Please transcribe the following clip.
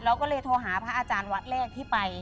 เราก็เลยโทรหาพระอาจารย์วัดแรกที่ไป